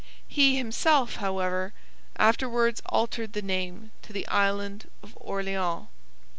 He himself, however, afterwards altered the name to the Island of Orleans.